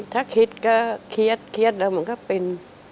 ถ้าคิดก็เคียดแล้วมันก็เป็น